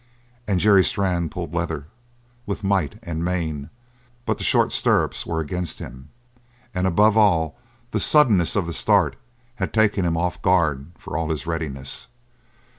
And Jerry Strann pulled leather with might and main but the short stirrups were against him, and above all the suddenness of the start had taken him off guard for all his readiness.